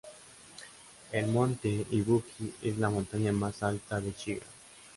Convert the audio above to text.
El Monte Ibuki es la montaña más alta de Shiga.